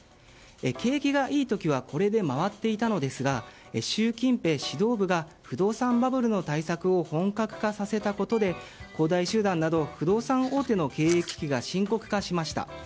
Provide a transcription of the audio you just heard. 景気がいい時はこれで回っていたのですが習近平指導部が不動産バブルの対策を本格化させたことで恒大集団など不動産大手の経営危機が深刻化しました。